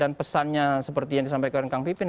dan pesannya seperti yang disampaikan kang pipin